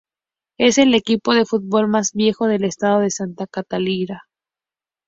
Es el equipo de fútbol más viejo del estado de Santa Catarina.